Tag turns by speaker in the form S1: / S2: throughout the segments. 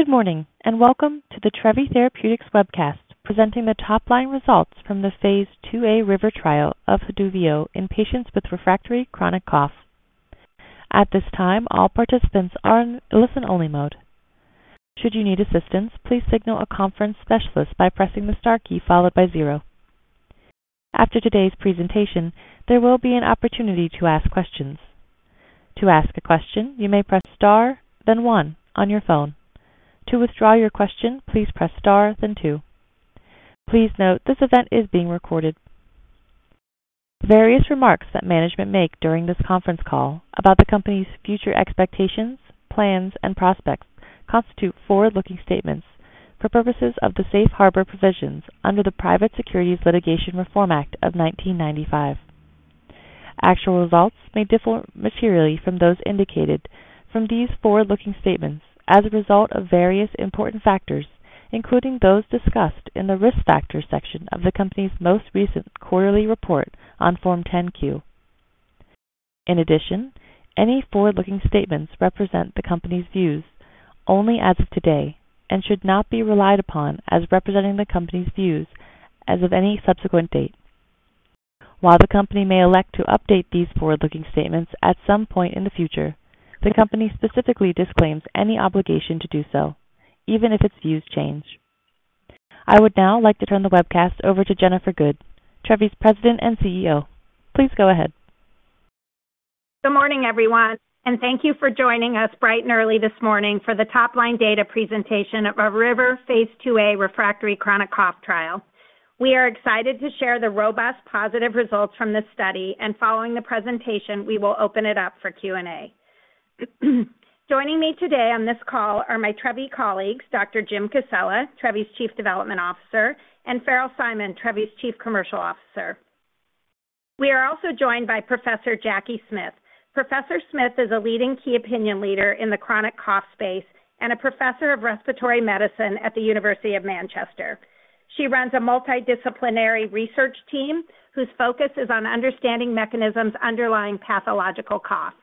S1: Good morning and welcome to the Trevi Therapeutics Webcast, presenting the top-line results from the phase II-A RIVER Trial of Haduvio in patients with refractory chronic cough. At this time, all participants are on listen-only mode. Should you need assistance, please signal a conference specialist by pressing the star key followed by zero. After today's presentation, there will be an opportunity to ask questions. To ask a question, you may press star, then one on your phone. To withdraw your question, please press star, then two. Please note this event is being recorded. Various remarks that management make during this conference call about the company's future expectations, plans, and prospects constitute forward-looking statements for purposes of the Safe Harbor Provisions under the Private Securities Litigation Reform Act of 1995. Actual results may differ materially from those indicated from these forward-looking statements as a result of various important factors, including those discussed in the risk factors section of the company's most recent quarterly report on Form 10-Q. In addition, any forward-looking statements represent the company's views only as of today and should not be relied upon as representing the company's views as of any subsequent date. While the company may elect to update these forward-looking statements at some point in the future, the company specifically disclaims any obligation to do so, even if its views change. I would now like to turn the webcast over to Jennifer Good, Trevi Therapeutics President and CEO. Please go ahead.
S2: Good morning, everyone, and thank you for joining us bright and early this morning for the top-line data presentation of our River phase II-A refractory chronic cough trial. We are excited to share the robust positive results from this study, and following the presentation, we will open it up for Q&A. Joining me today on this call are my Trevi colleagues, Dr. James Cassella, Trevi's Chief Development Officer, and Farrell Simon, Trevi's Chief Commercial Officer. We are also joined by Professor Jacky Smith. Professor Smith is a leading key opinion leader in the chronic cough space and a professor of respiratory medicine at the University of Manchester. She runs a multidisciplinary research team whose focus is on understanding mechanisms underlying pathological cough.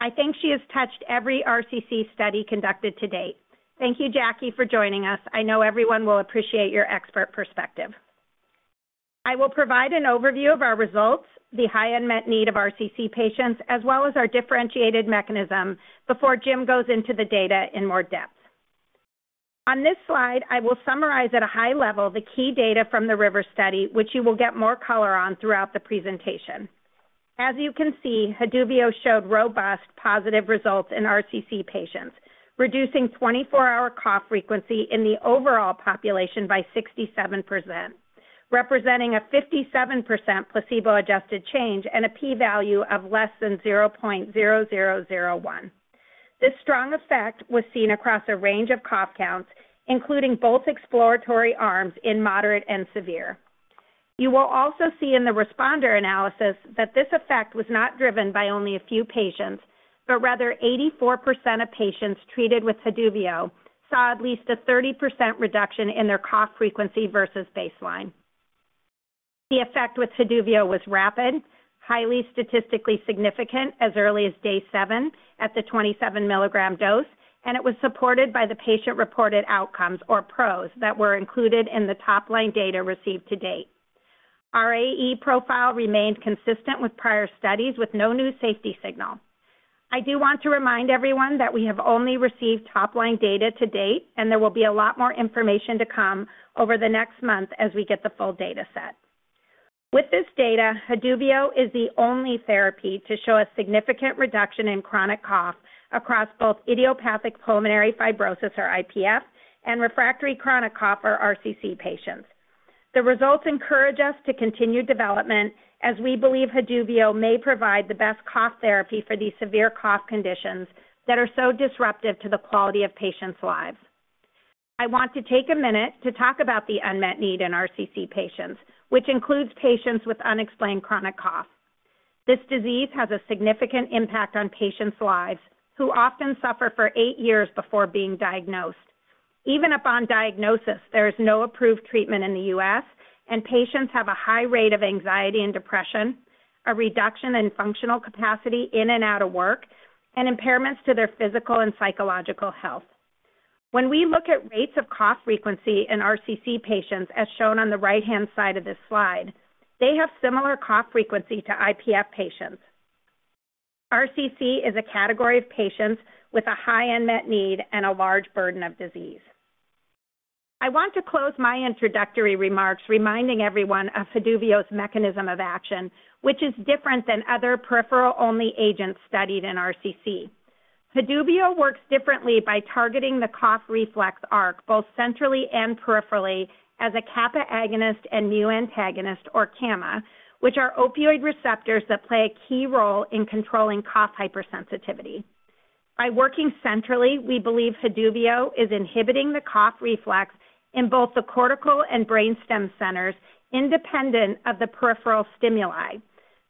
S2: I think she has touched every RCC study conducted to date. Thank you, Jacky, for joining us. I know everyone will appreciate your expert perspective. I will provide an overview of our results, the high unmet need of RCC patients, as well as our differentiated mechanism before James goes into the data in more depth. On this slide, I will summarize at a high level the key data from the RIVER study, which you will get more color on throughout the presentation. As you can see, Haduvio showed robust positive results in RCC patients, reducing 24-hour cough frequency in the overall population by 67%, representing a 57% placebo-adjusted change and a p-value of less than 0.0001. This strong effect was seen across a range of cough counts, including both exploratory arms in moderate and severe. You will also see in the responder analysis that this effect was not driven by only a few patients, but rather 84% of patients treated with Haduvio saw at least a 30% reduction in their cough frequency versus baseline. The effect with Haduvio was rapid, highly statistically significant as early as day seven at the 27 mg dose, and it was supported by the patient-reported outcomes, or PROs, that were included in the top-line data received to date. AE profile remained consistent with prior studies, with no new safety signal. I do want to remind everyone that we have only received top-line data to date, and there will be a lot more information to come over the next month as we get the full data set. With this data, Haduvio is the only therapy to show a significant reduction in chronic cough across both idiopathic pulmonary fibrosis, or IPF, and refractory chronic cough, or RCC patients. The results encourage us to continue development as we believe Haduvio may provide the best cough therapy for these severe cough conditions that are so disruptive to the quality of patients' lives. I want to take a minute to talk about the unmet need in RCC patients, which includes patients with unexplained chronic cough. This disease has a significant impact on patients' lives, who often suffer for eight years before being diagnosed. Even upon diagnosis, there is no approved treatment in the U.S., and patients have a high rate of anxiety and depression, a reduction in functional capacity in and out of work, and impairments to their physical and psychological health. When we look at rates of cough frequency in RCC patients, as shown on the right-hand side of this slide, they have similar cough frequency to IPF patients. RCC is a category of patients with a high unmet need and a large burden of disease. I want to close my introductory remarks reminding everyone of Haduvio's mechanism of action, which is different than other peripheral-only agents studied in RCC. Haduvio works differently by targeting the cough reflex arc, both centrally and peripherally, as a kappa agonist and mu antagonist, or KAMA, which are opioid receptors that play a key role in controlling cough hypersensitivity. By working centrally, we believe Haduvio is inhibiting the cough reflex in both the cortical and brainstem centers independent of the peripheral stimuli.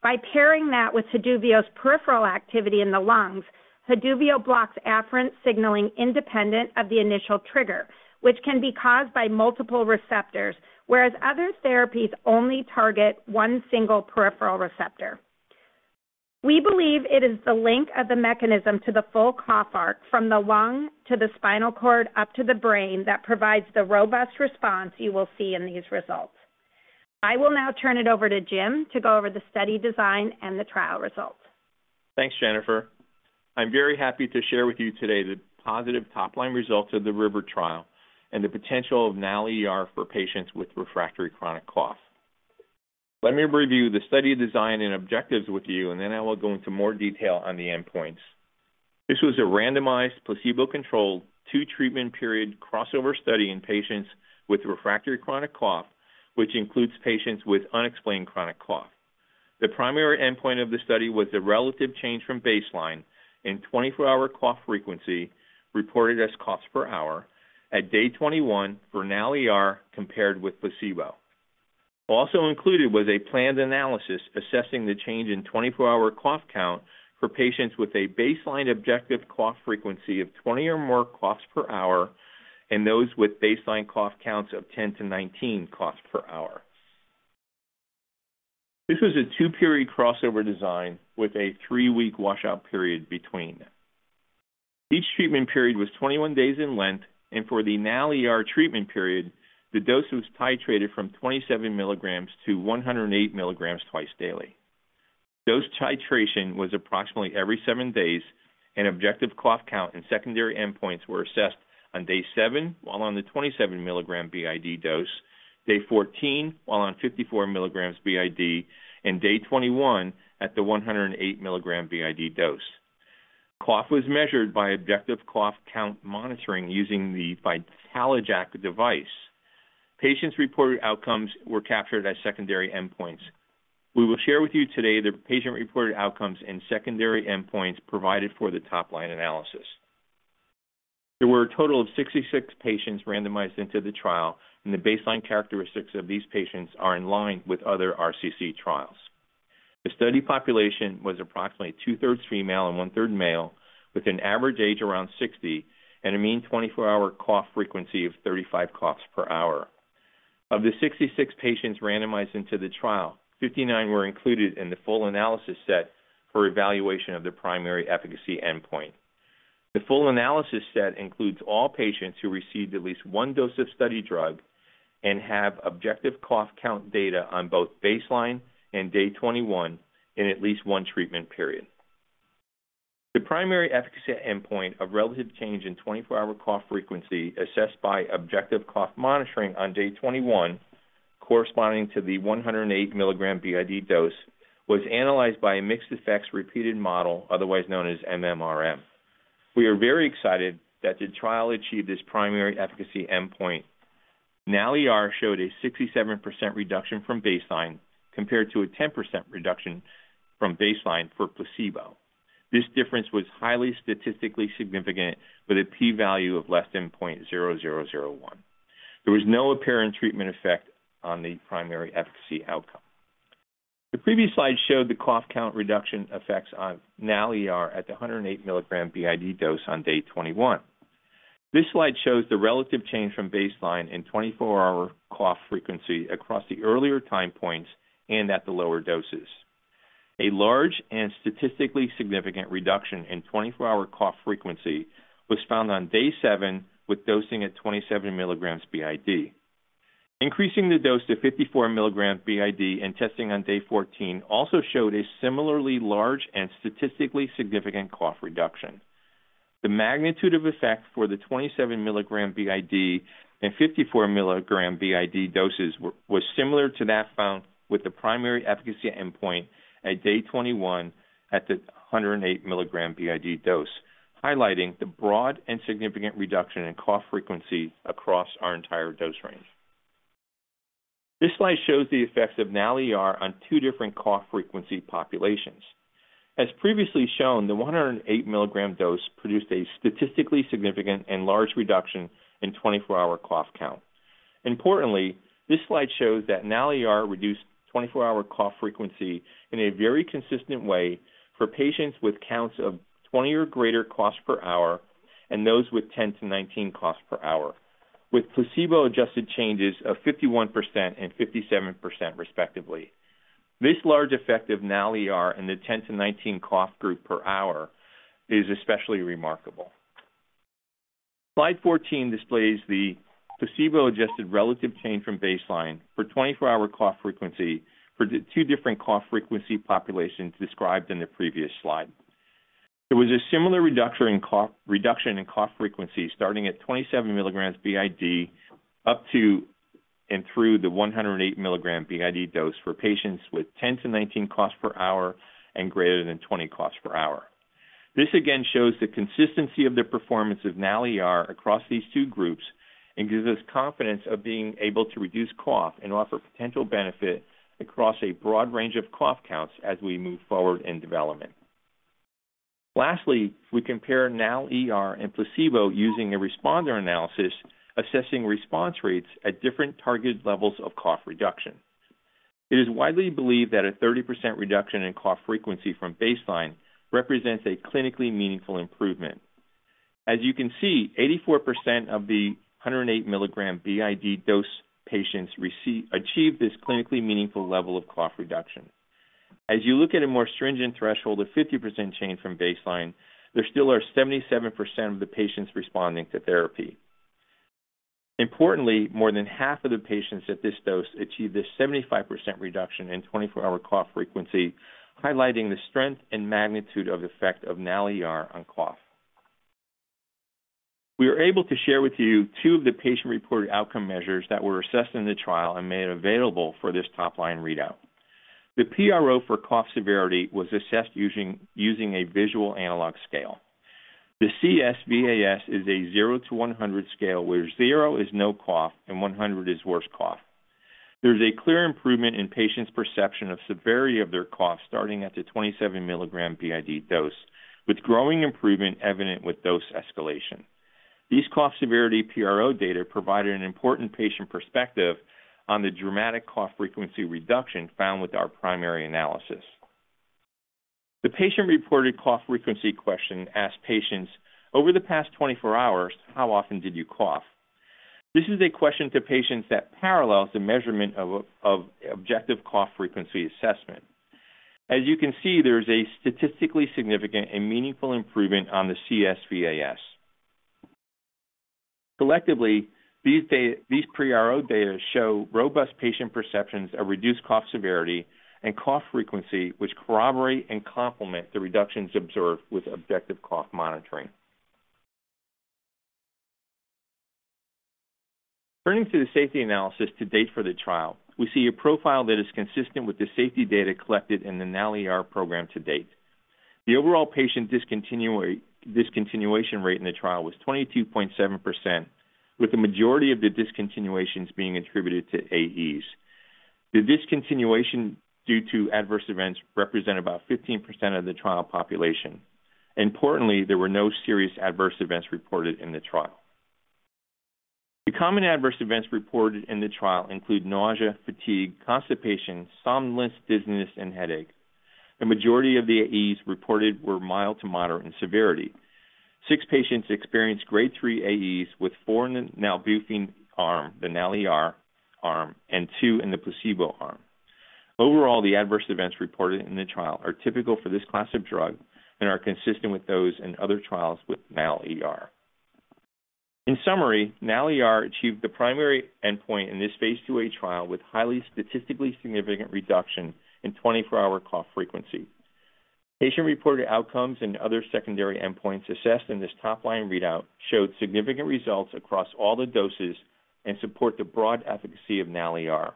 S2: By pairing that with Haduvio's peripheral activity in the lungs, Haduvio blocks afferent signaling independent of the initial trigger, which can be caused by multiple receptors, whereas other therapies only target one single peripheral receptor. We believe it is the link of the mechanism to the full cough arc from the lung to the spinal cord up to the brain that provides the robust response you will see in these results. I will now turn it over to James to go over the study design and the trial results.
S3: Thanks, Jennifer. I'm very happy to share with you today the positive top-line results of the RIVER Trial and the potential of Haduvio for patients with refractory chronic cough. Let me review the study design and objectives with you, and then I will go into more detail on the endpoints. This was a randomized, placebo-controlled, two-treatment period crossover study in patients with refractory chronic cough, which includes patients with unexplained chronic cough. The primary endpoint of the study was a relative change from baseline in 24-hour cough frequency reported as coughs per hour at day 21 for Haduvio compared with placebo. Also included was a planned analysis assessing the change in 24-hour cough count for patients with a baseline objective cough frequency of 20 or more coughs per hour and those with baseline cough counts of 10 to 19 coughs per hour. This was a two-period crossover design with a three-week washout period between. Each treatment period was 21 days in length, and for the Nal ER treatment period, the dose was titrated from 27 milligrams to 108 milligrams twice daily. Dose titration was approximately every seven days, and objective cough count and secondary endpoints were assessed on day seven while on the 27-milligram b.i.d. dose, day 14 while on 54 milligrams b.i.d., and day 21 at the 108-milligram b.i.d. dose. Cough was measured by objective cough count monitoring using the VitaloJAK device. Patients' reported outcomes were captured as secondary endpoints. We will share with you today the patient-reported outcomes and secondary endpoints provided for the top-line analysis. There were a total of 66 patients randomized into the trial, and the baseline characteristics of these patients are in line with other RCC trials. The study population was approximately two-thirds female and one-third male, with an average age around 60 and a mean 24-hour cough frequency of 35 coughs per hour. Of the 66 patients randomized into the trial, 59 were included in the full analysis set for evaluation of the primary efficacy endpoint. The full analysis set includes all patients who received at least one dose of study drug and have objective cough count data on both baseline and day 21 in at least one treatment period. The primary efficacy endpoint of relative change in 24-hour cough frequency assessed by objective cough monitoring on day 21, corresponding to the 108 mg b.i.d. dose, was analyzed by a mixed effects repeated model, otherwise known as MMRM. We are very excited that the trial achieved its primary efficacy endpoint. Haduvio showed a 67% reduction from baseline compared to a 10% reduction from baseline for placebo. This difference was highly statistically significant with a p-value of less than 0.0001. There was no apparent treatment effect on the primary efficacy outcome. The previous slide showed the cough count reduction effects of Nal ER at the 108 mg b.i.d. dose on day 21. This slide shows the relative change from baseline in 24-hour cough frequency across the earlier time points and at the lower doses. A large and statistically significant reduction in 24-hour cough frequency was found on day seven with dosing at 27 mg b.i.d. Increasing the dose to 54 mg b.i.d. and testing on day 14 also showed a similarly large and statistically significant cough reduction. The magnitude of effect for the 27 mg b.i.d. and 54 mg b.i.d. doses was similar to that found with the primary efficacy endpoint at day 21 at the 108 mg b.i.d. dose, highlighting the broad and significant reduction in cough frequency across our entire dose range. This slide shows the effects of Haduvio on two different cough frequency populations. As previously shown, the 108 mg dose produced a statistically significant and large reduction in 24-hour cough count. Importantly, this slide shows that Haduvio reduced 24-hour cough frequency in a very consistent way for patients with counts of 20 or greater coughs per hour and those with 10-19 coughs per hour, with placebo-adjusted changes of 51% and 57%, respectively. This large effect of Haduvio in the 10-19 cough group per hour is especially remarkable. Slide 14 displays the placebo-adjusted relative change from baseline for 24-hour cough frequency for the two different cough frequency populations described in the previous slide. There was a similar reduction in cough frequency starting at 27 mg b.i.d. up to and through the 108 mg b.i.d. dose for patients with 10-19 coughs per hour and greater than 20 coughs per hour. This again shows the consistency of the performance of NALIR across these two groups and gives us confidence of being able to reduce cough and offer potential benefit across a broad range of cough counts as we move forward in development. Lastly, we compare NALIR and placebo using a responder analysis assessing response rates at different targeted levels of cough reduction. It is widely believed that a 30% reduction in cough frequency from baseline represents a clinically meaningful improvement. As you can see, 84% of the 108-milligram b.i.d. dose patients achieved this clinically meaningful level of cough reduction. As you look at a more stringent threshold of 50% change from baseline, there still are 77% of the patients responding to therapy. Importantly, more than half of the patients at this dose achieved this 75% reduction in 24-hour cough frequency, highlighting the strength and magnitude of effect of Haduvio on cough. We are able to share with you two of the patient-reported outcome measures that were assessed in the trial and made available for this top-line readout. The PRO for cough severity was assessed using a visual analog scale. The CSVAS is a 0-100 scale, where 0 is no cough and 100 is worst cough. There is a clear improvement in patients' perception of severity of their cough starting at the 27 mg b.i.d. dose, with growing improvement evident with dose escalation. These cough severity PRO data provided an important patient perspective on the dramatic cough frequency reduction found with our primary analysis. The patient-reported cough frequency question asked patients, "Over the past 24 hours, how often did you cough?" This is a question to patients that parallels the measurement of objective cough frequency assessment. As you can see, there is a statistically significant and meaningful improvement on the CSVAS. Collectively, these PRO data show robust patient perceptions of reduced cough severity and cough frequency, which corroborate and complement the reductions observed with objective cough monitoring. Turning to the safety analysis to date for the trial, we see a profile that is consistent with the safety data collected in the NALIR program to date. The overall patient discontinuation rate in the trial was 22.7%, with the majority of the discontinuations being attributed to AEs. The discontinuation due to adverse events represents about 15% of the trial population. Importantly, there were no serious adverse events reported in the trial. The common adverse events reported in the trial include nausea, fatigue, constipation, somnolence, dizziness, and headache. The majority of the AEs reported were mild to moderate in severity. Six patients experienced grade 3 AEs with four in the Haduvio arm and two in the placebo arm. Overall, the adverse events reported in the trial are typical for this class of drug and are consistent with those in other trials with Haduvio. In summary, Haduvio achieved the primary endpoint in this phase II-A trial with highly statistically significant reduction in 24-hour cough frequency. Patient-reported outcomes and other secondary endpoints assessed in this top-line readout showed significant results across all the doses and support the broad efficacy of Haduvio.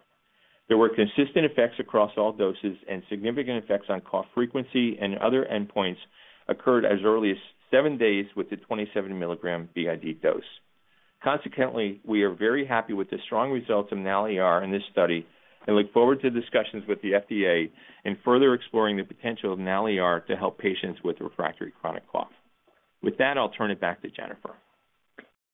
S3: There were consistent effects across all doses, and significant effects on cough frequency and other endpoints occurred as early as seven days with the 27-milligram b.i.d. dose. Consequently, we are very happy with the strong results of Haduvio in this study and look forward to discussions with the FDA in further exploring the potential of Haduvio to help patients with refractory chronic cough. With that, I'll turn it back to Jennifer.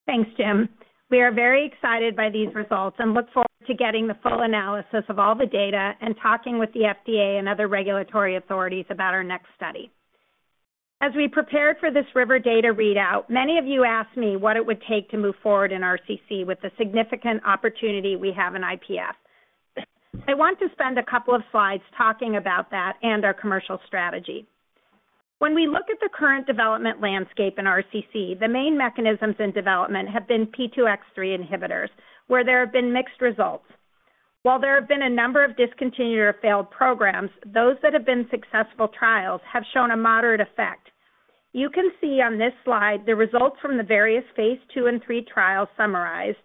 S2: Thanks, James. We are very excited by these results and look forward to getting the full analysis of all the data and talking with the FDA and other regulatory authorities about our next study. As we prepared for this RIVER data readout, many of you asked me what it would take to move forward in RCC with the significant opportunity we have in IPF. I want to spend a couple of slides talking about that and our commercial strategy. When we look at the current development landscape in RCC, the main mechanisms in development have been P2X3 inhibitors, where there have been mixed results. While there have been a number of discontinued or failed programs, those that have been successful trials have shown a moderate effect. You can see on this slide the results from the various phase II and III trials summarized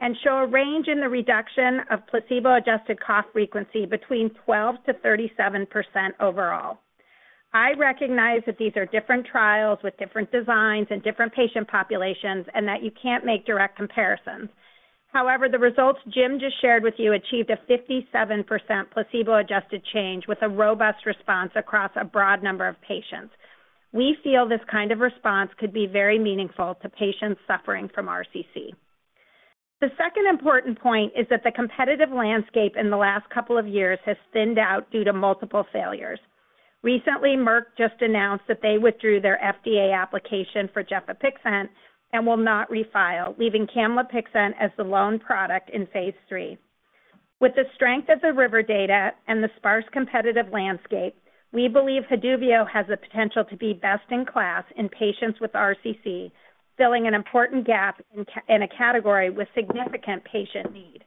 S2: and show a range in the reduction of placebo-adjusted cough frequency between 12%-37% overall. I recognize that these are different trials with different designs and different patient populations and that you can't make direct comparisons. However, the results James just shared with you achieved a 57% placebo-adjusted change with a robust response across a broad number of patients. We feel this kind of response could be very meaningful to patients suffering from RCC. The second important point is that the competitive landscape in the last couple of years has thinned out due to multiple failures. Recently, Merck just announced that they withdrew their FDA application for Gefapixant and will not refile, leaving Camlipixant as the lone product in phase III. With the strength of the RIVER data and the sparse competitive landscape, we believe Haduvio has the potential to be best in class in patients with RCC, filling an important gap in a category with significant patient need.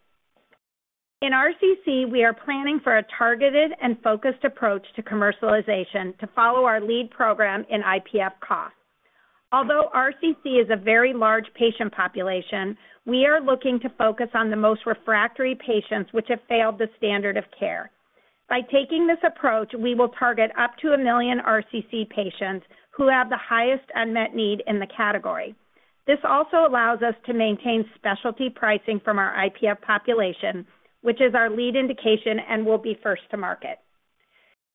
S2: In RCC, we are planning for a targeted and focused approach to commercialization to follow our lead program in IPF cough. Although RCC is a very large patient population, we are looking to focus on the most refractory patients which have failed the standard of care. By taking this approach, we will target up to 1 million RCC patients who have the highest unmet need in the category. This also allows us to maintain specialty pricing from our IPF population, which is our lead indication and will be first to market.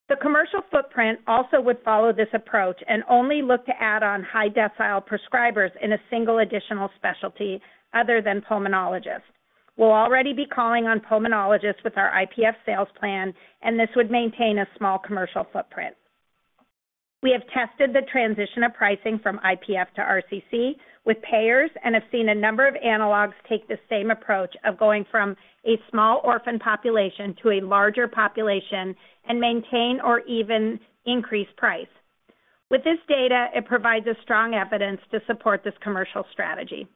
S2: The commercial footprint also would follow this approach and only look to add on high decile prescribers in a single additional specialty other than pulmonologists. We'll already be calling on pulmonologists with our IPF sales plan, and this would maintain a small commercial footprint. We have tested the transition of pricing from IPF to RCC with payers and have seen a number of analogs take the same approach of going from a small orphan population to a larger population and maintain or even increase price. With this data, it provides strong evidence to support this commercial strategy.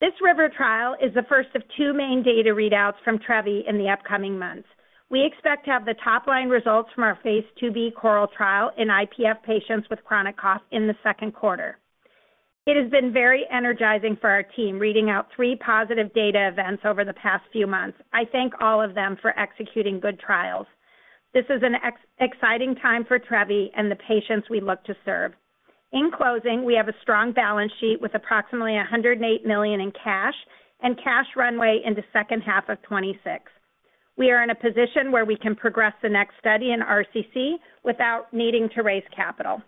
S2: This RIVER trial is the first of two main data readouts from Trevi in the upcoming months. We expect to have the top-line results from our phase II-B CORAL trial in IPF patients with chronic cough in the second quarter. It has been very energizing for our team reading out three positive data events over the past few months. I thank all of them for executing good trials. This is an exciting time for Trevi and the patients we look to serve. In closing, we have a strong balance sheet with approximately $108 million in cash and cash runway in the second half of 2026. We are in a position where we can progress the next study in RCC without needing to raise capital.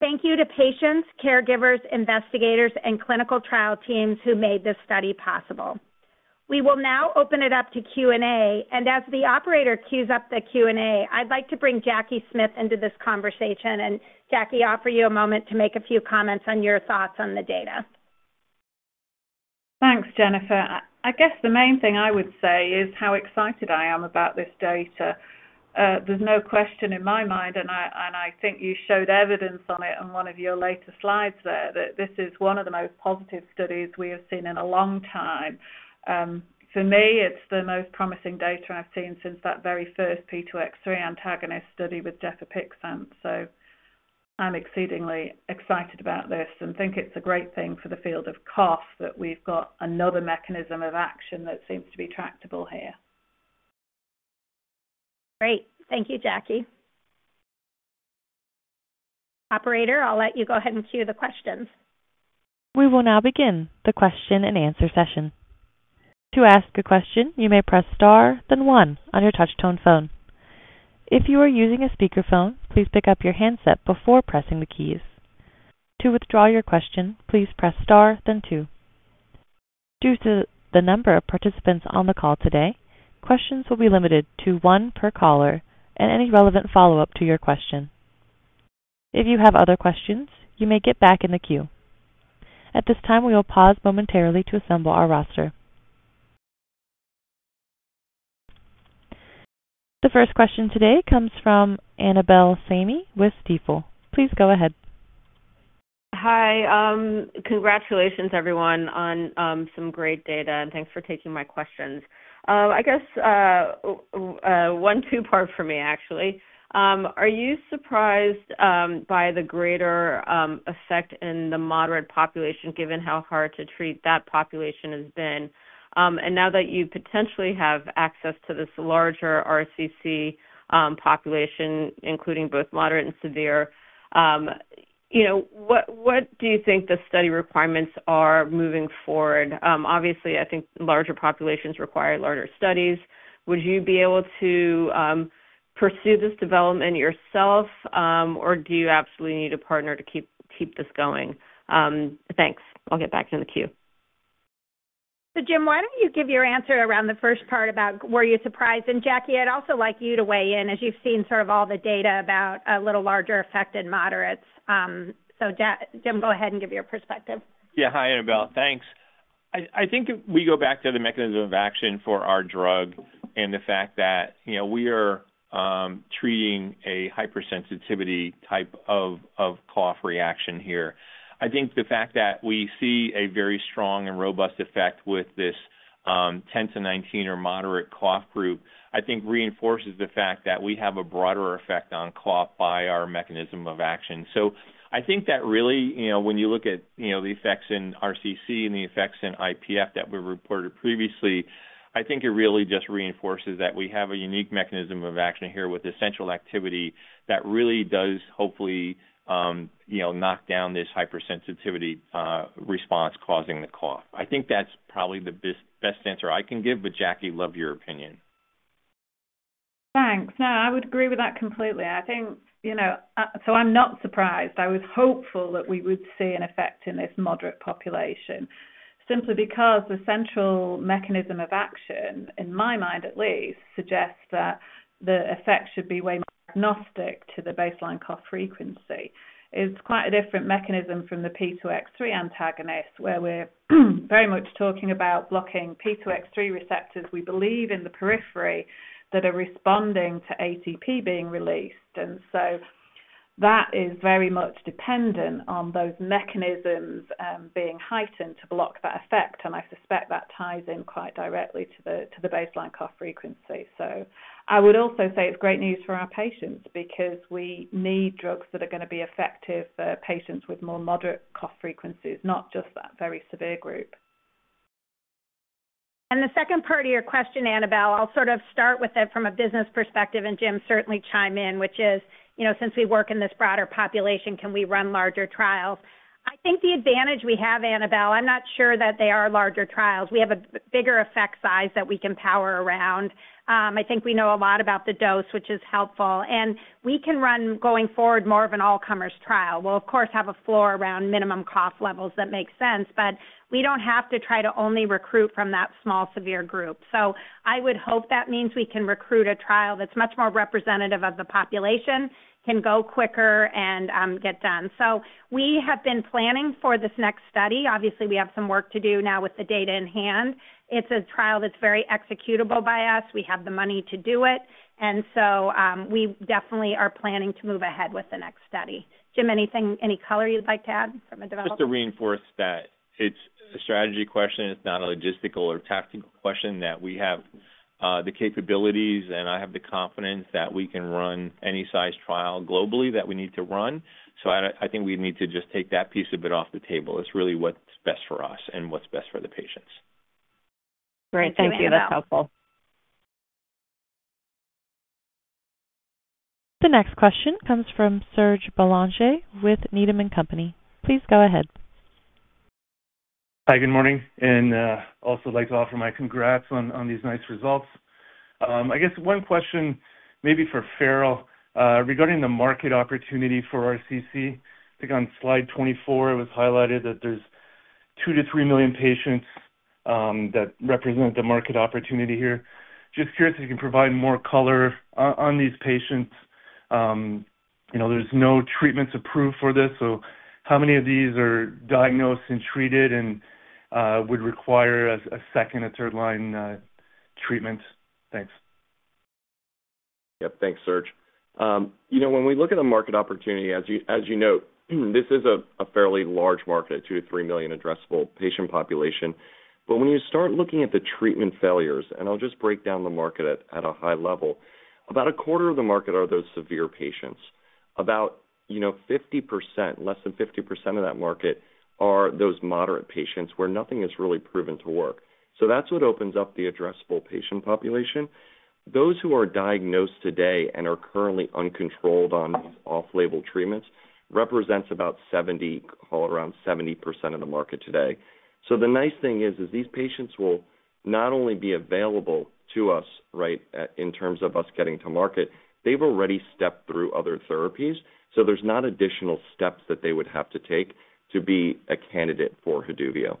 S2: Thank you to patients, caregivers, investigators, and clinical trial teams who made this study possible. We will now open it up to Q&A, and as the operator queues up the Q&A, I'd like to bring Jacky Smith into this conversation, and Jacky, I'll offer you a moment to make a few comments on your thoughts on the data.
S4: Thanks, Jennifer. I guess the main thing I would say is how excited I am about this data. There's no question in my mind, and I think you showed evidence on it on one of your later slides there, that this is one of the most positive studies we have seen in a long time. For me, it's the most promising data I've seen since that very first P2X3 antagonist study with Gefapixant, so I'm exceedingly excited about this and think it's a great thing for the field of cough that we've got another mechanism of action that seems to be tractable here.
S2: Great. Thank you, Jacky. Operator, I'll let you go ahead and cue the questions.
S1: We will now begin the question and answer session. To ask a question, you may press star, then one on your touch-tone phone. If you are using a speakerphone, please pick up your handset before pressing the keys. To withdraw your question, please press star, then two. Due to the number of participants on the call today, questions will be limited to one per caller and any relevant follow-up to your question. If you have other questions, you may get back in the queue. At this time, we will pause momentarily to assemble our roster. The first question today comes from Annabel Samimy with Stifel. Please go ahead.
S5: Hi. Congratulations, everyone, on some great data, and thanks for taking my questions. I guess one two-part for me, actually. Are you surprised by the greater effect in the moderate population given how hard to treat that population has been? Now that you potentially have access to this larger RCC population, including both moderate and severe, what do you think the study requirements are moving forward? Obviously, I think larger populations require larger studies. Would you be able to pursue this development yourself, or do you absolutely need a partner to keep this going? Thanks. I'll get back in the queue.
S2: James, why don't you give your answer around the first part about were you surprised? Jackie, I'd also like you to weigh in as you've seen sort of all the data about a little larger effect in moderates. James, go ahead and give your perspective.
S3: Yeah. Hi, Annabelle. Thanks. I think we go back to the mechanism of action for our drug and the fact that we are treating a hypersensitivity type of cough reaction here. I think the fact that we see a very strong and robust effect with this 10-19 or moderate cough group, I think reinforces the fact that we have a broader effect on cough by our mechanism of action. I think that really, when you look at the effects in RCC and the effects in IPF that we reported previously, I think it really just reinforces that we have a unique mechanism of action here with essential activity that really does hopefully knock down this hypersensitivity response causing the cough. I think that's probably the best answer I can give, but Jackie, love your opinion.
S4: Thanks. No, I would agree with that completely. I am not surprised. I was hopeful that we would see an effect in this moderate population simply because the central mechanism of action, in my mind at least, suggests that the effect should be way more agnostic to the baseline cough frequency. It is quite a different mechanism from the P2X3 antagonist where we are very much talking about blocking P2X3 receptors we believe in the periphery that are responding to ATP being released. That is very much dependent on those mechanisms being heightened to block that effect, and I suspect that ties in quite directly to the baseline cough frequency. I would also say it is great news for our patients because we need drugs that are going to be effective for patients with more moderate cough frequencies, not just that very severe group.
S2: The second part of your question, Annabelle, I'll sort of start with it from a business perspective and James certainly chime in, which is since we work in this broader population, can we run larger trials? I think the advantage we have, Annabelle, I'm not sure that they are larger trials. We have a bigger effect size that we can power around. I think we know a lot about the dose, which is helpful, and we can run going forward more of an all-comers trial. We'll, of course, have a floor around minimum cough levels that makes sense, but we don't have to try to only recruit from that small severe group. I would hope that means we can recruit a trial that's much more representative of the population, can go quicker, and get done. We have been planning for this next study. Obviously, we have some work to do now with the data in hand. It's a trial that's very executable by us. We have the money to do it, and so we definitely are planning to move ahead with the next study. James, any color you'd like to add from a development?
S3: Just to reinforce that it's a strategy question. It's not a logistical or tactical question that we have the capabilities, and I have the confidence that we can run any size trial globally that we need to run. I think we need to just take that piece of it off the table. It's really what's best for us and what's best for the patients.
S5: Great. Thank you. That's helpful.
S1: Thank you, Annabelle. The next question comes from Serge Belanger with Needham & Company. Please go ahead.
S6: Hi. Good morning. I also like to offer my congrats on these nice results. I guess one question maybe for Farrell regarding the market opportunity for RCC. I think on slide 24, it was highlighted that there's 2-3 million patients that represent the market opportunity here. Just curious if you can provide more color on these patients. There's no treatments approved for this, so how many of these are diagnosed and treated and would require a second or third-line treatment? Thanks.
S3: Yep. Thanks, Serge. When we look at the market opportunity, as you note, this is a fairly large market, 2-3 million addressable patient population. When you start looking at the treatment failures, and I'll just break down the market at a high level, about a quarter of the market are those severe patients. Less than 50% of that market are those moderate patients where nothing is really proven to work. That is what opens up the addressable patient population. Those who are diagnosed today and are currently uncontrolled on off-label treatments represents about around 70% of the market today. The nice thing is these patients will not only be available to us in terms of us getting to market, they've already stepped through other therapies, so there's not additional steps that they would have to take to be a candidate for Haduvio.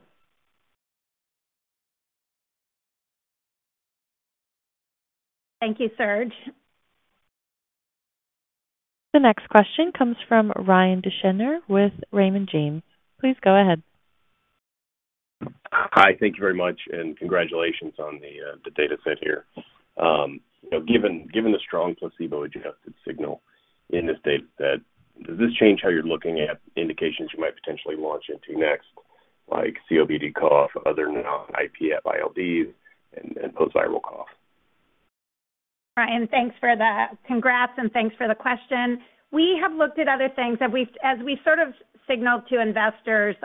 S2: Thank you, Serge.
S1: The next question comes from Ryan Deschner with Raymond James. Please go ahead.
S5: Hi. Thank you very much, and congratulations on the data set here. Given the strong placebo-adjusted signal in this dataset, does this change how you're looking at indications you might potentially launch into next, like COPD cough, other non-IPF ILDs, and post-viral cough?
S2: Ryan, thanks for that. Congrats, and thanks for the question. We have looked at other things. As we sort of signaled to investors,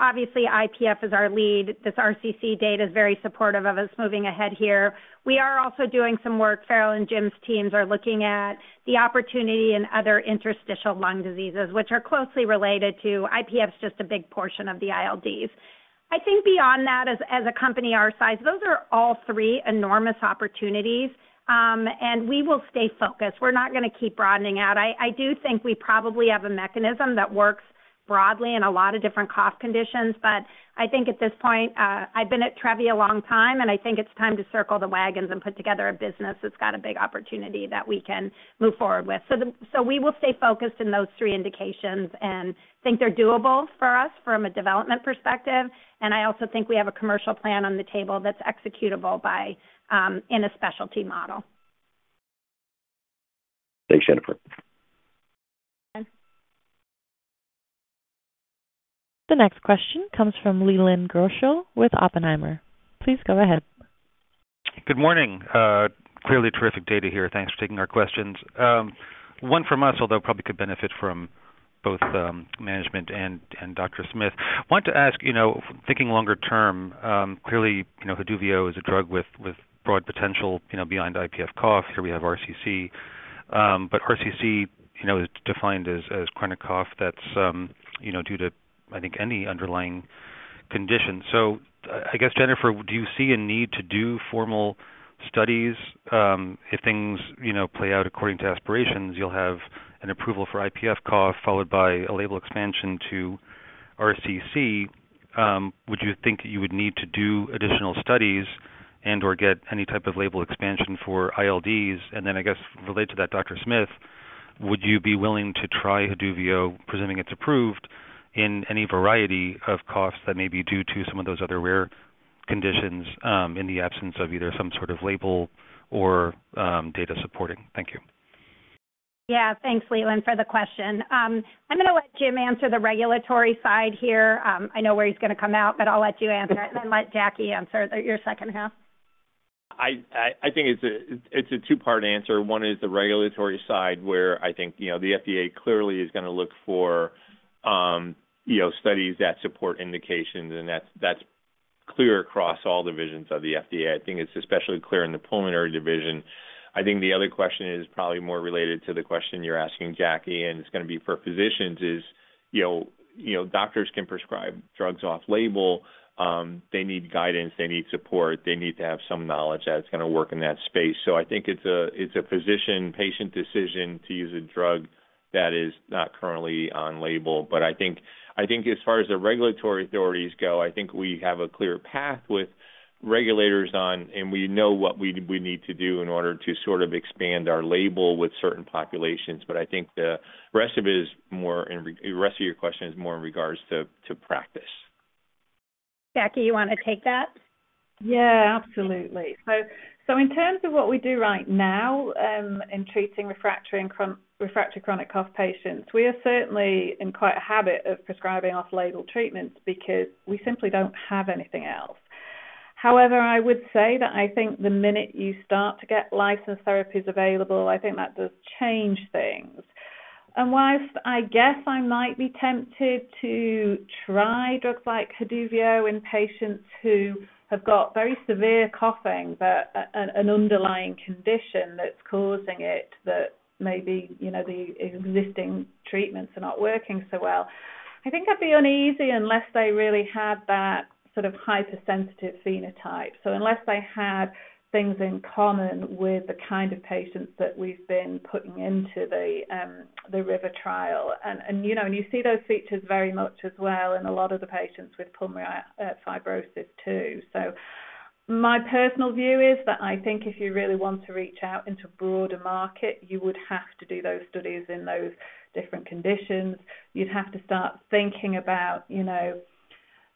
S2: obviously, IPF is our lead. This RCC data is very supportive of us moving ahead here. We are also doing some work. Farrell and James teams are looking at the opportunity in other interstitial lung diseases, which are closely related to IPF, just a big portion of the ILDs. I think beyond that, as a company our size, those are all three enormous opportunities, and we will stay focused. We're not going to keep broadening out. I do think we probably have a mechanism that works broadly in a lot of different cough conditions, but I think at this point, I've been at Trevi a long time, and I think it's time to circle the wagons and put together a business that's got a big opportunity that we can move forward with. We will stay focused in those three indications and think they're doable for us from a development perspective. I also think we have a commercial plan on the table that's executable in a specialty model.
S5: Thanks, Jennifer.
S1: The next question comes from Leland Gershell with Oppenheimer. Please go ahead.
S5: Good morning. Clearly, terrific data here. Thanks for taking our questions. One from us, although probably could benefit from both management and Dr. Smith. I want to ask, thinking longer term, clearly, Haduvio is a drug with broad potential beyond IPF cough. Here we have RCC, but RCC is defined as chronic cough that's due to, I think, any underlying condition. I guess, Jennifer, do you see a need to do formal studies? If things play out according to aspirations, you'll have an approval for IPF cough followed by a label expansion to RCC. Would you think you would need to do additional studies and/or get any type of label expansion for ILDs? I guess related to that, Dr. Smith, would you be willing to try Haduvio, presuming it's approved, in any variety of coughs that may be due to some of those other rare conditions in the absence of either some sort of label or data supporting? Thank you.
S2: Yeah. Thanks, Leland, for the question. I'm going to let James answer the regulatory side here. I know where he's going to come out, but I'll let you answer it and then let Jackie answer your second half.
S3: I think it's a two-part answer. One is the regulatory side where I think the FDA clearly is going to look for studies that support indications, and that's clear across all divisions of the FDA. I think it's especially clear in the pulmonary division. I think the other question is probably more related to the question you're asking, Jackie, and it's going to be for physicians, is doctors can prescribe drugs off-label. They need guidance. They need support. They need to have some knowledge that's going to work in that space. I think it's a physician-patient decision to use a drug that is not currently on label. I think as far as the regulatory authorities go, I think we have a clear path with regulators on, and we know what we need to do in order to sort of expand our label with certain populations. I think the rest of it is more in the rest of your question is more in regards to practice.
S2: Jackie, you want to take that?
S4: Yeah. Absolutely. In terms of what we do right now in treating refractory chronic cough patients, we are certainly in quite a habit of prescribing off-label treatments because we simply do not have anything else. However, I would say that I think the minute you start to get licensed therapies available, I think that does change things. Whilst I guess I might be tempted to try drugs like Haduvio in patients who have got very severe coughing but an underlying condition that is causing it that maybe the existing treatments are not working so well, I think I would be uneasy unless they really had that sort of hypersensitive phenotype. Unless they had things in common with the kind of patients that we have been putting into the RIVER trial. You see those features very much as well in a lot of the patients with pulmonary fibrosis too. My personal view is that I think if you really want to reach out into a broader market, you would have to do those studies in those different conditions. You'd have to start thinking about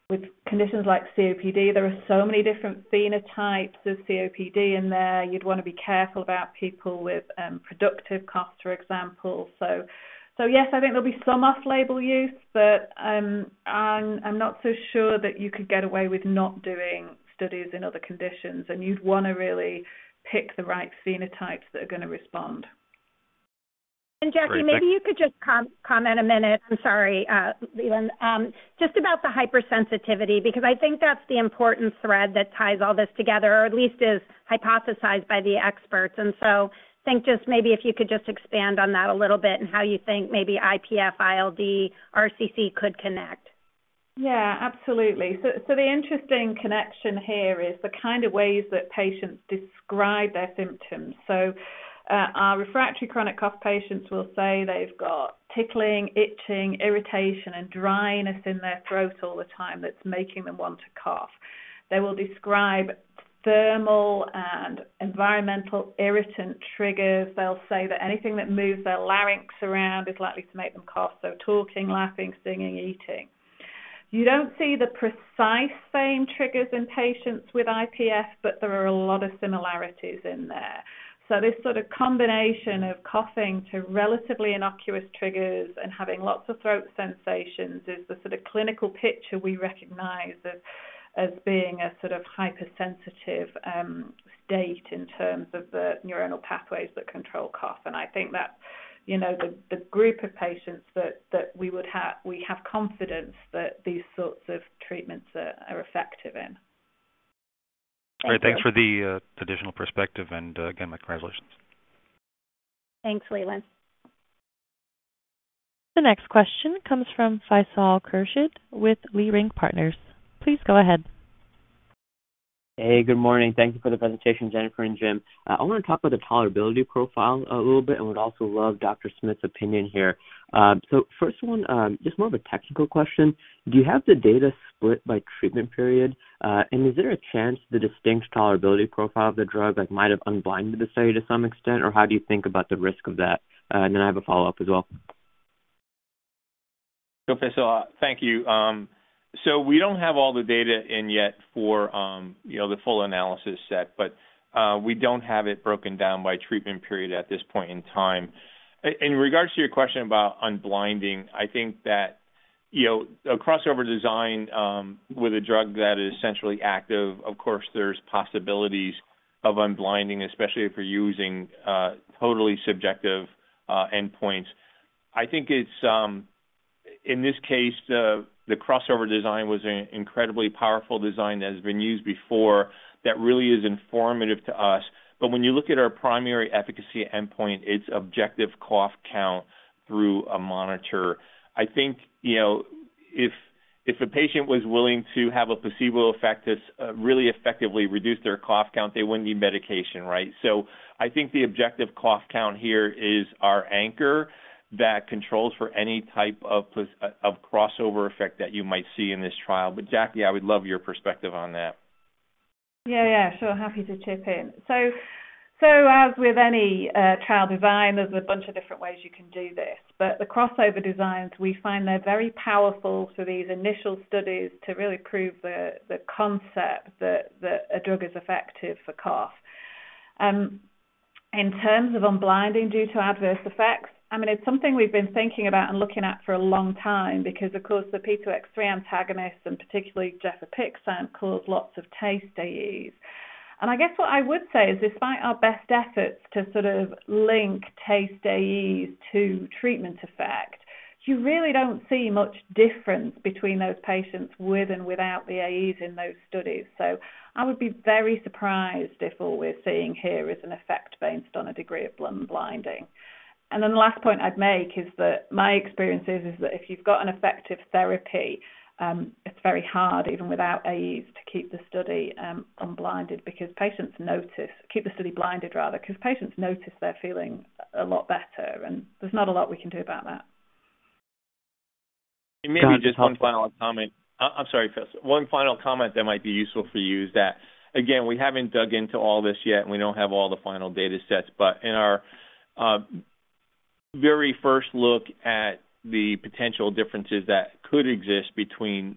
S4: with conditions like COPD, there are so many different phenotypes of COPD in there. You'd want to be careful about people with productive coughs, for example. Yes, I think there'll be some off-label use, but I'm not so sure that you could get away with not doing studies in other conditions. You'd want to really pick the right phenotypes that are going to respond.
S2: Jackie, maybe you could just comment a minute. I'm sorry, Leland, just about the hypersensitivity because I think that's the important thread that ties all this together or at least is hypothesized by the experts. I think just maybe if you could just expand on that a little bit and how you think maybe IPF, ILD, RCC could connect.
S4: Yeah. Absolutely. The interesting connection here is the kind of ways that patients describe their symptoms. Our refractory chronic cough patients will say they've got tickling, itching, irritation, and dryness in their throat all the time that's making them want to cough. They will describe thermal and environmental irritant triggers. They'll say that anything that moves their larynx around is likely to make them cough, so talking, laughing, singing, eating. You don't see the precise same triggers in patients with IPF, but there are a lot of similarities in there. This sort of combination of coughing to relatively innocuous triggers and having lots of throat sensations is the sort of clinical picture we recognize as being a sort of hypersensitive state in terms of the neuronal pathways that control cough. I think that's the group of patients that we have confidence that these sorts of treatments are effective in.
S7: All right. Thanks for the additional perspective. Again, my congratulations.
S2: Thanks, Leland.
S1: The next question comes from Faisal Khurshid with Leerink Partners. Please go ahead.
S8: Hey. Good morning. Thank you for the presentation, Jennifer and James. I want to talk about the tolerability profile a little bit and would also love Dr. Smith's opinion here. First, just more of a technical question. Do you have the data split by treatment period? Is there a chance the distinct tolerability profile of the drug might have unblinded the study to some extent, or how do you think about the risk of that? I have a follow-up as well.
S3: Thank you. We do not have all the data in yet for the full analysis set, but we do not have it broken down by treatment period at this point in time. In regards to your question about unblinding, I think that a crossover design with a drug that is essentially active, of course, there are possibilities of unblinding, especially if you are using totally subjective endpoints. I think in this case, the crossover design was an incredibly powerful design that has been used before that really is informative to us. When you look at our primary efficacy endpoint, it is objective cough count through a monitor. I think if a patient was willing to have a placebo effect that has really effectively reduced their cough count, they would not need medication, right? I think the objective cough count here is our anchor that controls for any type of crossover effect that you might see in this trial. Jackie, I would love your perspective on that.
S4: Yeah. Yeah. Sure. Happy to chip in. As with any trial design, there's a bunch of different ways you can do this. The crossover designs, we find they're very powerful for these initial studies to really prove the concept that a drug is effective for cough. In terms of unblinding due to adverse effects, I mean, it's something we've been thinking about and looking at for a long time because, of course, the P2X3 antagonists and particularly Gefapixant cause lots of taste AEs. I guess what I would say is despite our best efforts to sort of link taste AEs to treatment effect, you really don't see much difference between those patients with and without the AEs in those studies. I would be very surprised if all we're seeing here is an effect based on a degree of blinding. The last point I'd make is that my experience is that if you've got an effective therapy, it's very hard, even without AEs, to keep the study blinded because patients notice they're feeling a lot better. There's not a lot we can do about that.
S3: Maybe just one final comment. I'm sorry, Fes. One final comment that might be useful for you is that, again, we haven't dug into all this yet, and we don't have all the final datasets. In our very first look at the potential differences that could exist between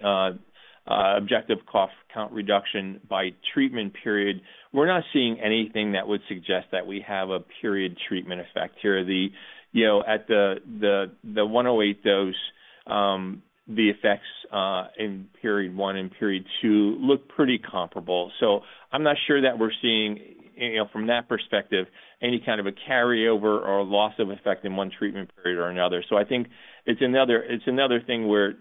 S3: objective cough count reduction by treatment period, we're not seeing anything that would suggest that we have a period treatment effect here. At the 108 dose, the effects in period one and period two look pretty comparable. I'm not sure that we're seeing, from that perspective, any kind of a carryover or loss of effect in one treatment period or another. I think it's another thing where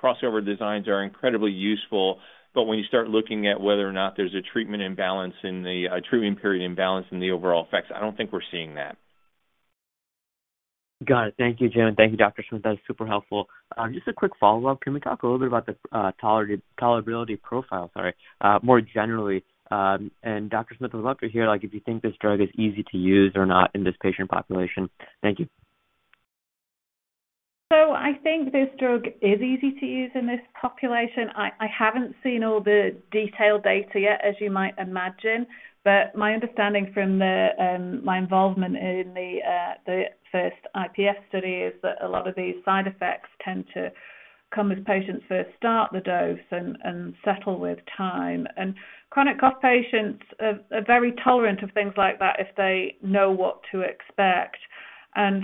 S3: crossover designs are incredibly useful, but when you start looking at whether or not there's a treatment imbalance in the treatment period imbalance in the overall effects, I don't think we're seeing that.
S8: Got it. Thank you, James. Thank you, Dr. Smith. That was super helpful. Just a quick follow-up. Can we talk a little bit about the tolerability profile, sorry, more generally? Dr. Smith, I'd love to hear if you think this drug is easy to use or not in this patient population. Thank you.
S4: I think this drug is easy to use in this population. I haven't seen all the detailed data yet, as you might imagine. My understanding from my involvement in the first IPF study is that a lot of these side effects tend to come as patients first start the dose and settle with time. Chronic cough patients are very tolerant of things like that if they know what to expect. As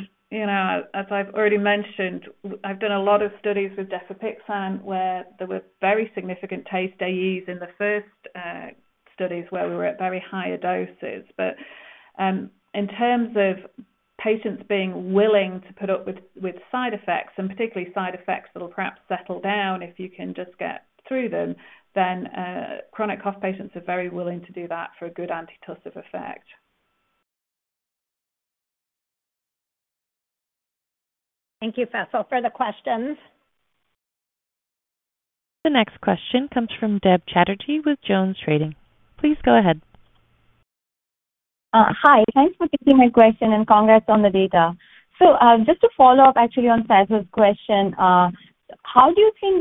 S4: I've already mentioned, I've done a lot of studies with Gefapixant where there were very significant taste AEs in the first studies where we were at very higher doses. In terms of patients being willing to put up with side effects, and particularly side effects that will perhaps settle down if you can just get through them, chronic cough patients are very willing to do that for a good antitussive effect.
S2: Thank you, Faisal, for the questions.
S1: The next question comes from Deb Chatterjee with Jones Trading. Please go ahead.
S9: Hi. Thanks for taking my question and congrats on the data. Just to follow up actually on Faisal's question, how do you think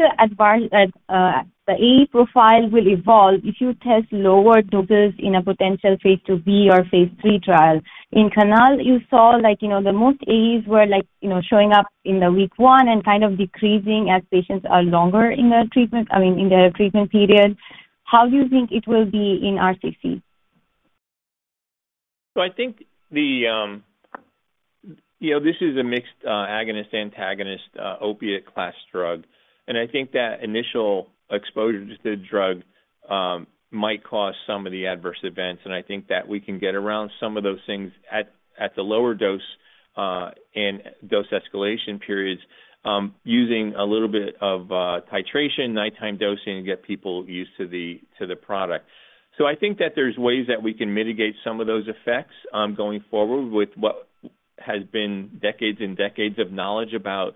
S9: the AE profile will evolve if you test lower doses in a potential phase II-B or phase III trial? In CANAL, you saw the most AEs were showing up in the week one and kind of decreasing as patients are longer in their treatment, I mean, in their treatment period. How do you think it will be in RCC?
S3: I think this is a mixed agonist-antagonist opiate-class drug. I think that initial exposure to the drug might cause some of the adverse events. I think that we can get around some of those things at the lower dose and dose escalation periods using a little bit of titration, nighttime dosing, and get people used to the product. I think that there are ways that we can mitigate some of those effects going forward with what has been decades and decades of knowledge about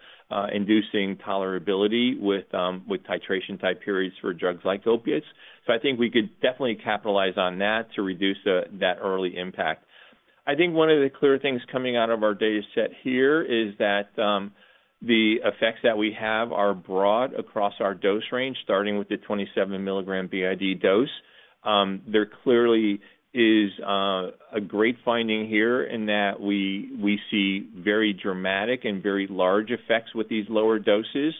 S3: inducing tolerability with titration-type periods for drugs like opiates. I think we could definitely capitalize on that to reduce that early impact. I think one of the clear things coming out of our dataset here is that the effects that we have are broad across our dose range, starting with the 27-milligram b.i.d. dose. There clearly is a great finding here in that we see very dramatic and very large effects with these lower doses.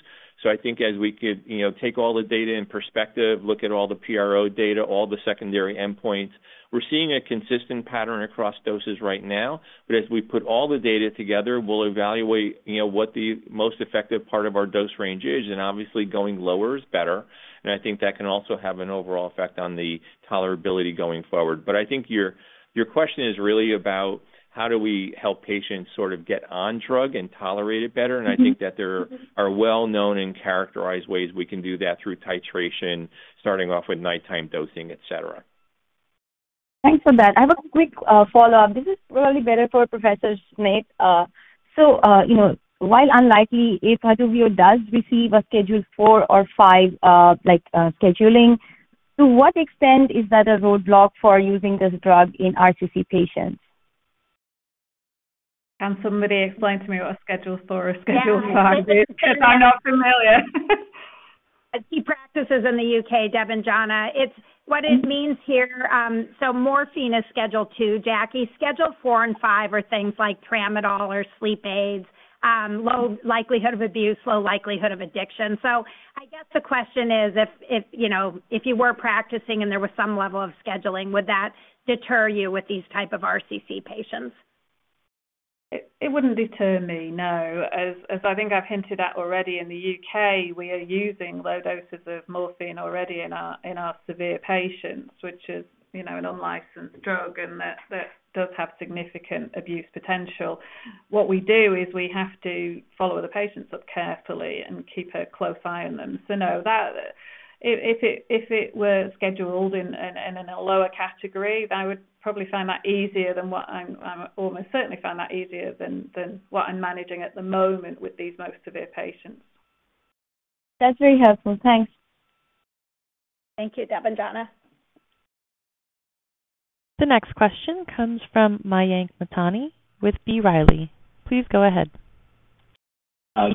S3: I think as we could take all the data in perspective, look at all the PRO data, all the secondary endpoints, we're seeing a consistent pattern across doses right now. As we put all the data together, we'll evaluate what the most effective part of our dose range is. Obviously, going lower is better. I think that can also have an overall effect on the tolerability going forward. I think your question is really about how do we help patients sort of get on drug and tolerate it better. I think that there are well-known and characterized ways we can do that through titration, starting off with nighttime dosing, etc.
S9: Thanks for that. I have a quick follow-up. This is probably better for Professor Smith. While unlikely, if Haduvio does receive a schedule 4 or 5 scheduling, to what extent is that a roadblock for using this drug in RCC patients?
S4: Can somebody explain to me what a schedule 4 or schedule 5 is because I'm not familiar?
S2: Key practices in the U.K., Debanjana. What it means here, so morphine is schedule 2. Jackie, schedule 4 and 5 are things like tramadol or sleep aids, low likelihood of abuse, low likelihood of addiction. I guess the question is, if you were practicing and there was some level of scheduling, would that deter you with these type of RCC patients?
S4: It wouldn't deter me, no. As I think I've hinted at already, in the U.K., we are using low doses of morphine already in our severe patients, which is an unlicensed drug and that does have significant abuse potential. What we do is we have to follow the patients up carefully and keep a close eye on them. No, if it were scheduled in a lower category, I would probably find that easier than what I almost certainly find that easier than what I'm managing at the moment with these most severe patients.
S9: That's very helpful. Thanks.
S2: Thank you, Debanjana.
S1: The next question comes from Mayank Mamtani with Leerink Partners. Please go ahead.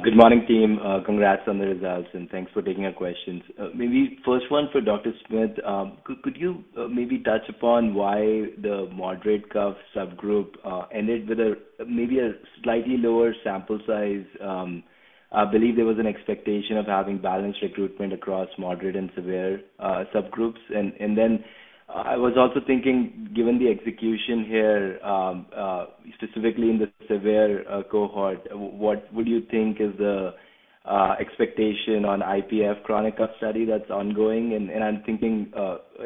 S10: Good morning, team. Congrats on the results, and thanks for taking our questions. Maybe first one for Dr. Smith. Could you maybe touch upon why the moderate cough subgroup ended with maybe a slightly lower sample size? I believe there was an expectation of having balanced recruitment across moderate and severe subgroups. I was also thinking, given the execution here, specifically in the severe cohort, what would you think is the expectation on IPF chronic cough study that's ongoing? I'm thinking,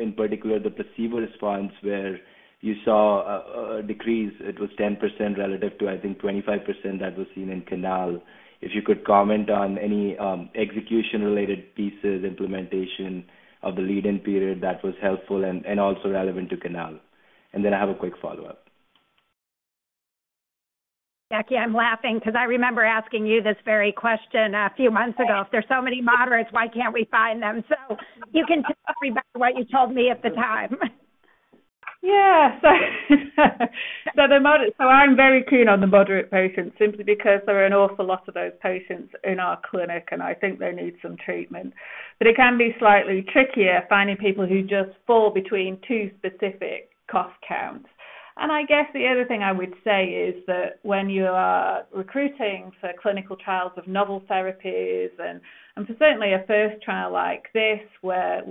S10: in particular, the placebo response where you saw a decrease. It was 10% relative to, I think, 25% that was seen in CANAL. If you could comment on any execution-related pieces, implementation of the lead-in period that was helpful and also relevant to CANAL. I have a quick follow-up.
S2: Jackie, I'm laughing because I remember asking you this very question a few months ago. If there's so many moderates, why can't we find them? You can tell everybody what you told me at the time.
S4: Yeah. I am very keen on the moderate patients simply because there are an awful lot of those patients in our clinic, and I think they need some treatment. It can be slightly trickier finding people who just fall between two specific cough counts. I guess the other thing I would say is that when you are recruiting for clinical trials of novel therapies, and for certainly a first trial like this where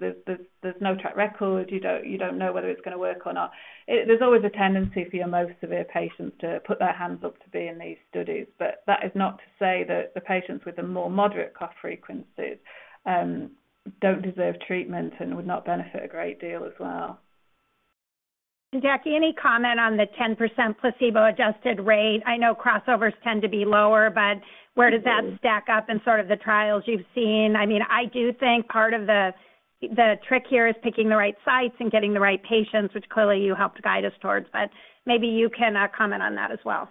S4: there's no track record, you don't know whether it's going to work or not, there's always a tendency for your most severe patients to put their hands up to be in these studies. That is not to say that the patients with the more moderate cough frequencies don't deserve treatment and would not benefit a great deal as well.
S2: Jackie, any comment on the 10% placebo-adjusted rate? I know crossovers tend to be lower, but where does that stack up in sort of the trials you've seen? I mean, I do think part of the trick here is picking the right sites and getting the right patients, which clearly you helped guide us towards. Maybe you can comment on that as well.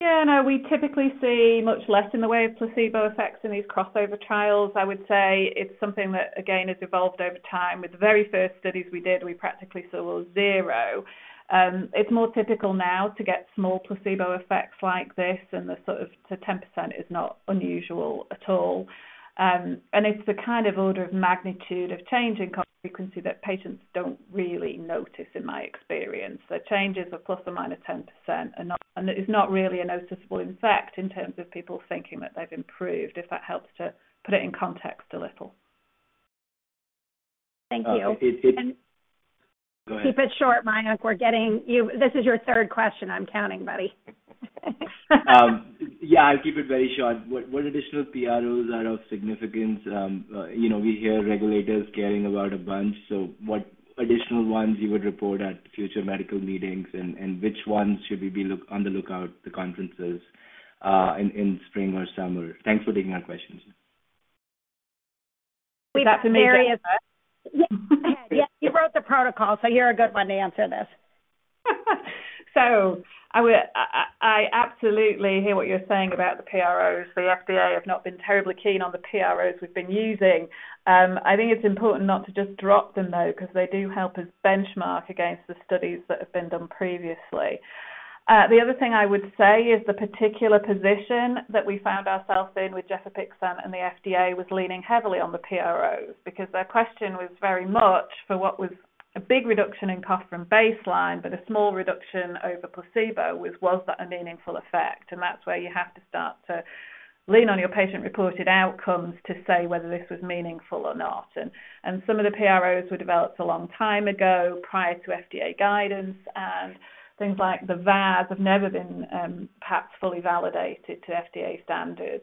S4: Yeah. No, we typically see much less in the way of placebo effects in these crossover trials. I would say it's something that, again, has evolved over time. With the very first studies we did, we practically saw zero. It's more typical now to get small placebo effects like this, and the sort of 2%-10% is not unusual at all. It's the kind of order of magnitude of change in cough frequency that patients don't really notice, in my experience. The changes of plus or minus 10% are not, and it's not really a noticeable effect in terms of people thinking that they've improved, if that helps to put it in context a little.
S2: Thank you.
S3: It's.
S2: Keep it short, Mayank. This is your third question. I'm counting, buddy.
S10: Yeah. I'll keep it very short. What additional PROs are of significance? We hear regulators caring about a bunch. What additional ones would you report at future medical meetings, and which ones should we be on the lookout for, the conferences in spring or summer? Thanks for taking our questions.
S2: We got some areas. Yeah. You wrote the protocol, so you're a good one to answer this.
S4: I absolutely hear what you're saying about the PROs. The FDA have not been terribly keen on the PROs we've been using. I think it's important not to just drop them, though, because they do help us benchmark against the studies that have been done previously. The other thing I would say is the particular position that we found ourselves in with Gefapixant and the FDA was leaning heavily on the PROs because their question was very much for what was a big reduction in cough from baseline, but a small reduction over placebo was, was that a meaningful effect? That's where you have to start to lean on your patient-reported outcomes to say whether this was meaningful or not. Some of the PROs were developed a long time ago prior to FDA guidance, and things like the VAS have never been perhaps fully validated to FDA standards.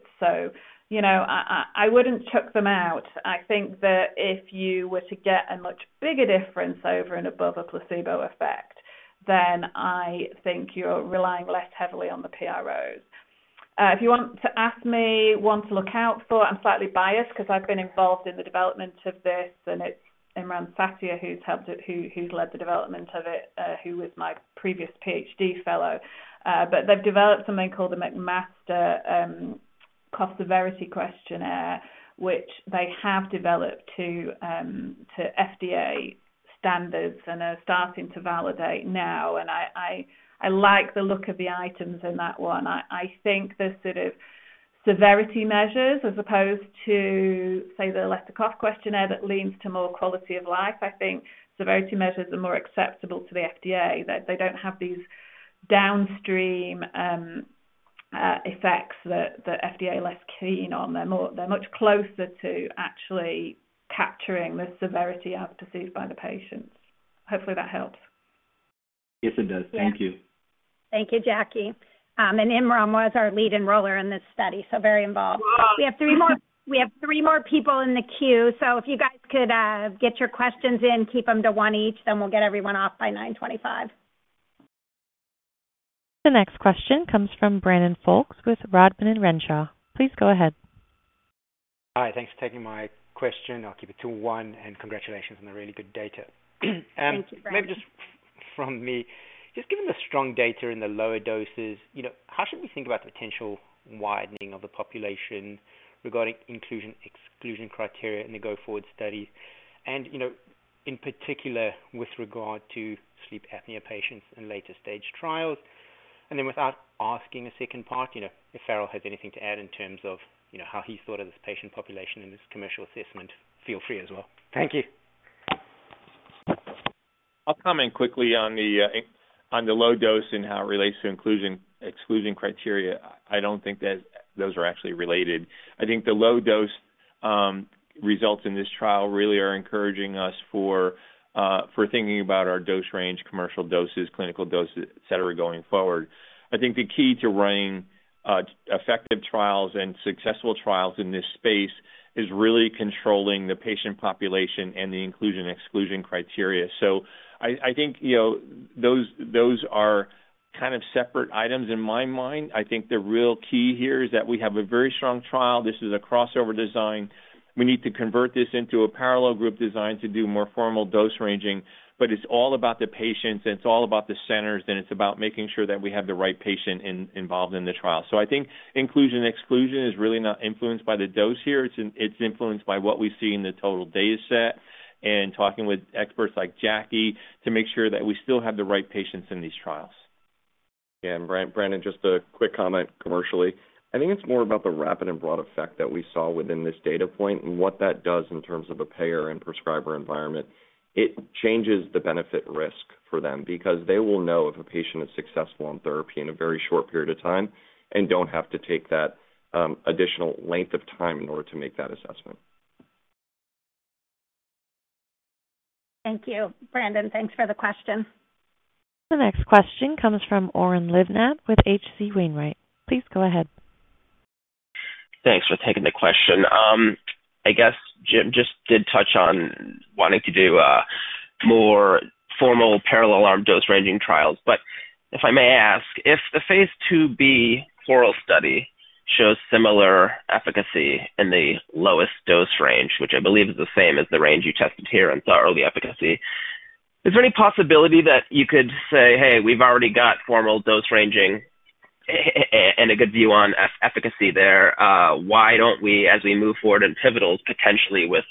S4: I would not chuck them out. I think that if you were to get a much bigger difference over and above a placebo effect, then I think you are relying less heavily on the PROs. If you want to ask me what to look out for, I am slightly biased because I have been involved in the development of this, and it is Imran Satya who has led the development of it, who was my previous PhD fellow. They have developed something called the McMaster Cough Severity Questionnaire, which they have developed to FDA standards and are starting to validate now. I like the look of the items in that one. I think the sort of severity measures, as opposed to, say, the Leicester Cough Questionnaire that leans to more quality of life, I think severity measures are more acceptable to the FDA. They don't have these downstream effects that the FDA is less keen on. They're much closer to actually capturing the severity as perceived by the patients. Hopefully, that helps.
S10: Yes, it does. Thank you.
S2: Thank you, Jackie. Imran was our lead enroller in this study, so very involved. We have three more people in the queue. If you guys could get your questions in, keep them to one each, then we'll get everyone off by 9:25.
S1: The next question comes from Brandon Folkes with Rodman & Renshaw. Please go ahead.
S11: Hi. Thanks for taking my question. I'll keep it to one. Congratulations on the really good data.
S2: Thank you very much.
S11: Maybe just from me, just given the strong data in the lower doses, how should we think about the potential widening of the population regarding inclusion/exclusion criteria in the go forward studies? In particular, with regard to sleep apnea patients in later stage trials? Without asking a second part, if Farrell has anything to add in terms of how he's thought of this patient population in this commercial assessment, feel free as well. Thank you.
S3: I'll comment quickly on the low dose and how it relates to inclusion/exclusion criteria. I don't think that those are actually related. I think the low dose results in this trial really are encouraging us for thinking about our dose range, commercial doses, clinical doses, etc., going forward. I think the key to running effective trials and successful trials in this space is really controlling the patient population and the inclusion/exclusion criteria. I think those are kind of separate items in my mind. I think the real key here is that we have a very strong trial. This is a crossover design. We need to convert this into a parallel group design to do more formal dose ranging. It's all about the patients, and it's all about the centers, and it's about making sure that we have the right patient involved in the trial. I think inclusion/exclusion is really not influenced by the dose here. It's influenced by what we see in the total dataset and talking with experts like Jackie to make sure that we still have the right patients in these trials. Yeah. Brandon, just a quick comment commercially. I think it's more about the rapid and broad effect that we saw within this data point and what that does in terms of a payer and prescriber environment. It changes the benefit risk for them because they will know if a patient is successful on therapy in a very short period of time and don't have to take that additional length of time in order to make that assessment.
S2: Thank you. Brandon, thanks for the question.
S1: The next question comes from Oren Livnat with H.C. Wainwright & Co. Please go ahead.
S12: Thanks for taking the question. I guess James just did touch on wanting to do more formal parallel arm dose ranging trials. If I may ask, if the phase II-B for trial study shows similar efficacy in the lowest dose range, which I believe is the same as the range you tested here and saw early efficacy, is there any possibility that you could say, "Hey, we've already got formal dose ranging and a good view on efficacy there. Why don't we, as we move forward in pivotals, potentially with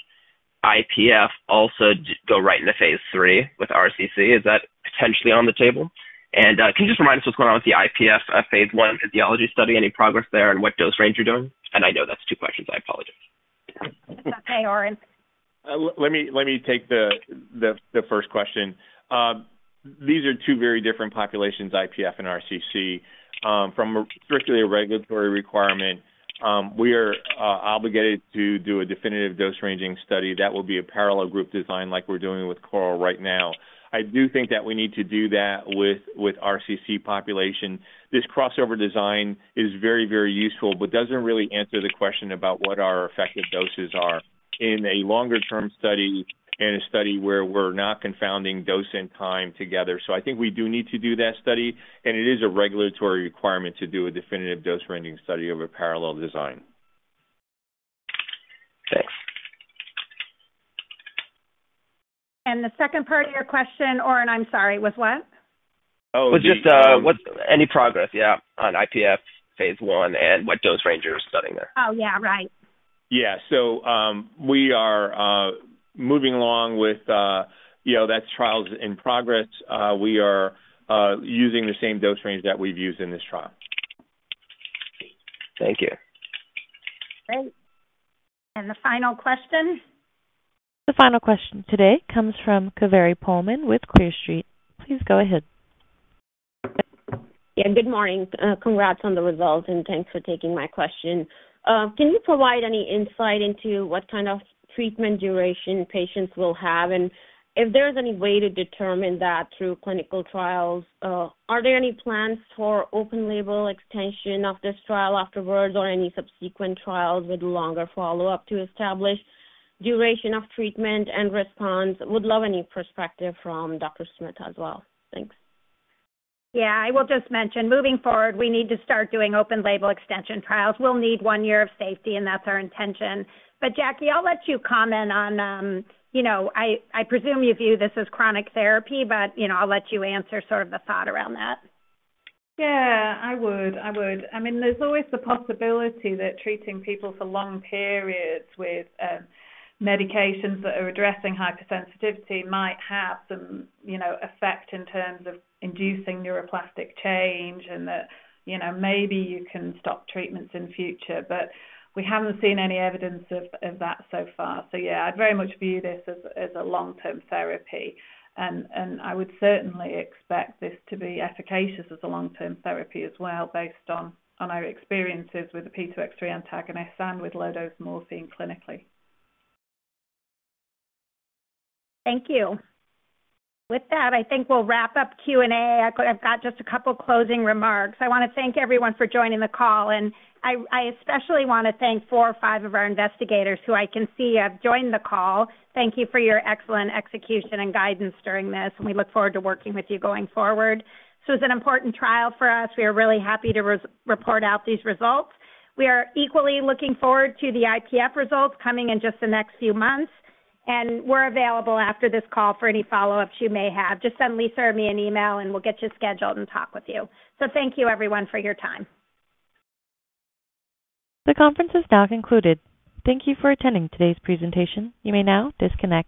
S12: IPF, also go right into phase III with RCC?" Is that potentially on the table? Can you just remind us what's going on with the IPF phase I physiology study? Any progress there and what dose range you're doing? I know that's two questions. I apologize.
S2: It's okay, Oren.
S3: Let me take the first question. These are two very different populations, IPF and RCC. From a strictly regulatory requirement, we are obligated to do a definitive dose ranging study that will be a parallel group design like we're doing with Coral right now. I do think that we need to do that with RCC population. This crossover design is very, very useful but does not really answer the question about what our effective doses are in a longer-term study and a study where we're not confounding dose and time together. I think we do need to do that study. It is a regulatory requirement to do a definitive dose ranging study of a parallel design.
S12: Thanks.
S2: The second part of your question, Oren, I'm sorry, was what?
S12: Oh, just any progress, yeah, on IPF phase I and what dose range you're studying there.
S2: Oh, yeah. Right.
S3: Yeah. We are moving along with that trial's in progress. We are using the same dose range that we've used in this trial.
S12: Thank you.
S2: Great. The final question?
S1: The final question today comes from Kaveri Pohlman with Cowen Street. Please go ahead.
S13: Yeah. Good morning. Congrats on the results, and thanks for taking my question. Can you provide any insight into what kind of treatment duration patients will have? If there's any way to determine that through clinical trials, are there any plans for open-label extension of this trial afterwards or any subsequent trials with longer follow-up to establish duration of treatment and response? Would love any perspective from Dr. Smith as well. Thanks.
S2: Yeah. I will just mention, moving forward, we need to start doing open-label extension trials. We'll need one year of safety, and that's our intention. Jackie, I'll let you comment on I presume you view this as chronic therapy, but I'll let you answer sort of the thought around that.
S4: Yeah. I would. I mean, there's always the possibility that treating people for long periods with medications that are addressing hypersensitivity might have some effect in terms of inducing neuroplastic change and that maybe you can stop treatments in future. We haven't seen any evidence of that so far. Yeah, I'd very much view this as a long-term therapy. I would certainly expect this to be efficacious as a long-term therapy as well based on our experiences with the P2X3 antagonist and with low-dose morphine clinically.
S2: Thank you. With that, I think we'll wrap up Q&A. I've got just a couple of closing remarks. I want to thank everyone for joining the call. I especially want to thank four or five of our investigators who I can see have joined the call. Thank you for your excellent execution and guidance during this. We look forward to working with you going forward. This was an important trial for us. We are really happy to report out these results. We are equally looking forward to the IPF results coming in just the next few months. We're available after this call for any follow-ups you may have. Just send Lisa or me an email, and we'll get you scheduled and talk with you. Thank you, everyone, for your time.
S1: The conference is now concluded. Thank you for attending today's presentation. You may now disconnect.